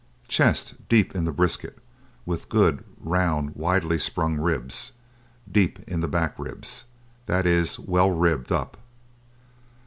Chest deep in the brisket, with good round widely sprung ribs, deep in the back ribs that is, well ribbed up.